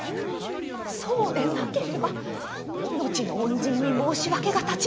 「そうでなければ命の恩人に申し訳が立ちません。